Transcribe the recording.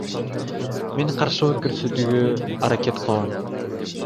Мен каршылык көрсөтүүгө аракет кылгам.